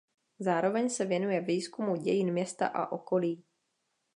Zároveň se věnuje výzkumu dějin města a okolí.